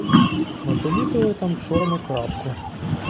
Ми помітили там чорну крапку.